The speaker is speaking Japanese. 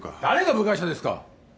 誰が部外者ですか。